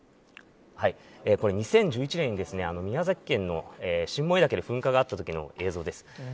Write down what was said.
これ、２０１１年に宮崎県の新燃岳で噴火があったときの映像です。